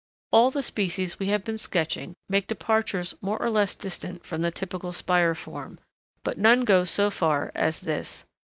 All the species we have been sketching make departures more or less distant from the typical spire form, but none goes so far as this.